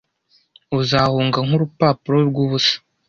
uzahunga nk'urupapuro rwubusa